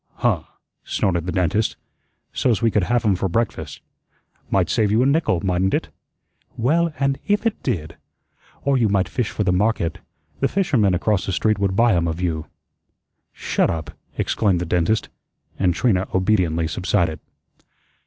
"Huh!" snorted the dentist, "so's we could have 'em for breakfast. Might save you a nickel, mightn't it?" "Well, and if it did! Or you might fish for the market. The fisherman across the street would buy 'em of you." "Shut up!" exclaimed the dentist, and Trina obediently subsided.